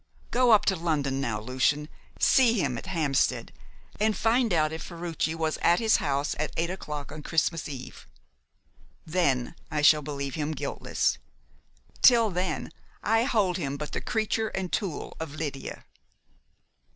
Go up to London now, Lucian, see him at Hampstead, and find out if Ferruci was at his house at eight o'clock on Christmas Eve. Then I shall believe him guiltless; till then, I hold him but the creature and tool of Lydia."